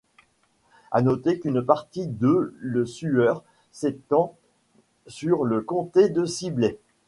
À noter qu’une partie de Le Sueur s’étend sur le comté de Sibley.